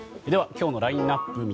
今日のラインアップ